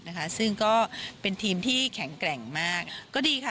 นะคะซึ่งก็เป็นทีมที่แข็งแกร่งมากก็ดีค่ะ